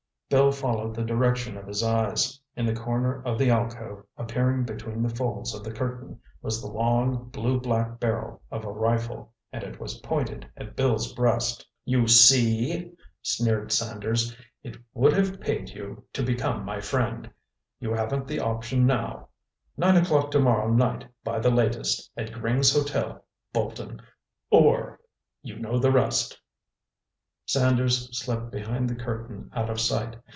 Bill followed the direction of his eyes. In the corner of the alcove, appearing between the folds of the curtain, was the long, blue black barrel of a rifle, and it was pointed at Bill's breast. "You see!" sneered Sanders. "It would have paid you to become my friend. You haven't the option now. Nine o'clock tomorrow night by the latest, at Gring's Hotel, Bolton—or—you know the rest." Sanders slipped behind the curtain out of sight.